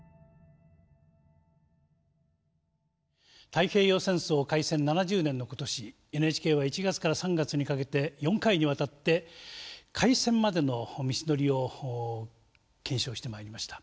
太平洋戦争開戦７０年の今年ＮＨＫは１３月にかけて４回にわたって開戦までの道のりを検証してまいりました。